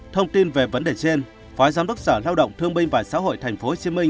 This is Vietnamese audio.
thông tin về vấn đề trên phó giám đốc sở lao động thương binh và xã hội tp hcm